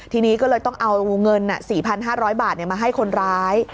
ทีนี้ก็เลยต้องเอาเงิน๔๕๐๐บาทมาให้คนร้าย